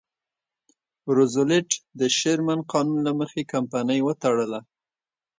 روزولټ د شرمن قانون له مخې کمپنۍ وتړله.